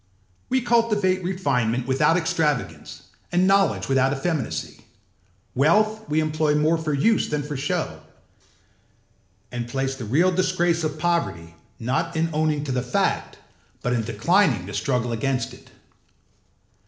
We cultivate refinement without extravagance and knowledge without effeminacy; wealth we employ more for use than for show, and place the real disgrace of poverty not in owning to the fact but in declining the struggle against it.